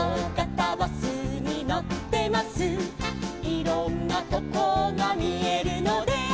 「いろんなとこがみえるので」